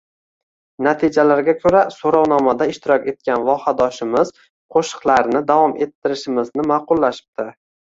Natijalarga koʻra, soʻrovnomada ishtirok etgan vohadoshimiz qo‘shiqlarni davom ettirishimizni maʼqullashibdi.